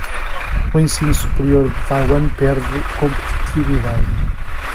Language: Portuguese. O ensino superior de Taiwan perde competitividade